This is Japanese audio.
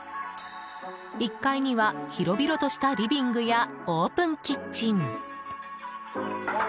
１階には、広々としたリビングやオープンキッチン。